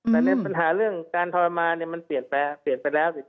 แต่ในปัญหาเรื่องการทรมานมันเปลี่ยนไปแล้ว